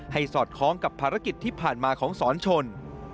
สอดคล้องกับภารกิจที่ผ่านมาของสอนชน